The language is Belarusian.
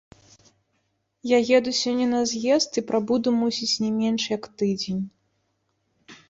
Я еду сёння на з'езд і прабуду, мусіць, не менш як тыдзень.